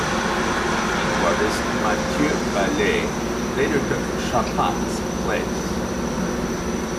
Keyboardist Matthieu Ballet later took Chapat's place.